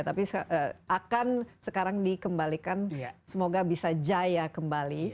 tapi akan sekarang dikembalikan semoga bisa jaya kembali